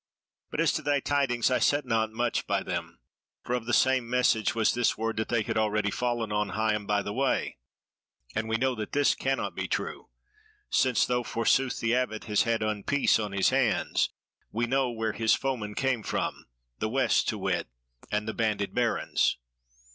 But as to thy tidings, I set not much by them; for of the same message was this word that they had already fallen on Higham by the Way; and we know that this cannot be true; since though forsooth the Abbot has had unpeace on his hands, we know where his foemen came from, the West to wit, and the Banded Barons."